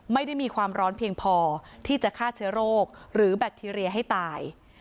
ไม่ได้มีความร้อนเพียงพอที่จะฆ่าเชื้อโรคหรือแบคทีเรียให้ตาย